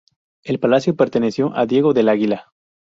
El palacio perteneció a Diego del Águila.